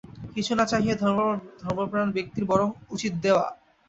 কিছু না চাহিয়া ধর্মপ্রাণ ব্যক্তির বরং উচিত দেওয়া।